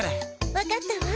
わかったわ。